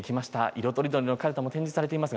色とりどりのカルタも展示されています。